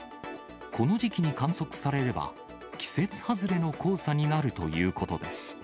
この時期に観測されれば、季節外れの黄砂になるということです。